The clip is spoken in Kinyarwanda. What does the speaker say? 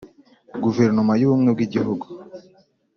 Guverinoma y ubumwe bw igihugu